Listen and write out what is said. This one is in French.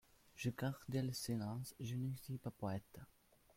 Je gardai le silence : je ne suis pas poète.